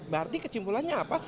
berarti kecimpulannya apa